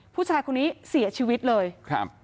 ผู้ชายคนนี้เสียชีวิตเลยครับ